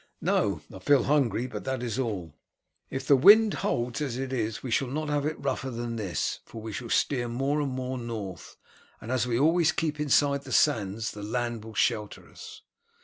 "No; I feel hungry, but that is all." "If the wind holds as it is we shall not have it rougher than this, for we shall steer more and more north, and as we always keep inside the sands the land will shelter us.